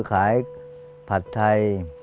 ขายผัดไทย